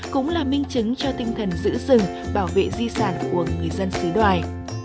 cũng là minh chứng cho tinh thần giữ rừng bảo vệ di sản của người dân xứ đoài